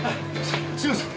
すいません。